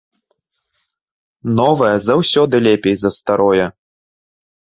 Новае заўсёды лепей за старое!